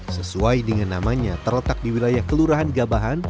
sesuai dengan namanya terletak di wilayah kelurahan gabahan